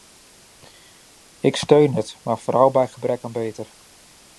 Ik steun het, maar vooral bij gebrek aan beter.